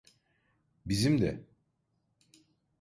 Bizim de.